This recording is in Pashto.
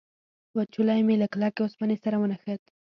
وچولی مې له کلکې اوسپنې سره ونښت.